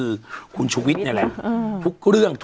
ปรากฏว่าจังหวัดที่ลงจากรถ